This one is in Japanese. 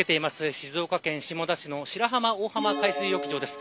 静岡県下田市の白浜大浜海水浴場です。